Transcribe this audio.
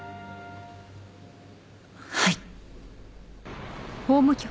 はい。